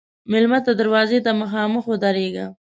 مېلمه ته دروازې ته مخامخ ودریږه.